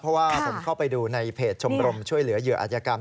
เพราะว่าผมเข้าไปดูในเพจชมรมช่วยเหลือเหยื่ออาจยกรรม